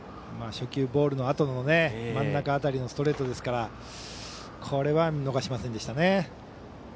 初球ボールのあとの真ん中辺りのストレートですからこれは、逃しませんでしたね。